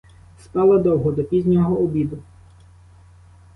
Спала довго, до пізнього обіду.